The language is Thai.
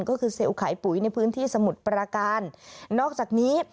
ก็คือเซลล์ขายปุ๋ยในพื้นที่สมุทรปราการนอกจากนี้